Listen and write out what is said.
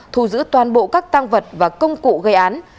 thu giữ toàn bộ các tăng vật và công cụ gây án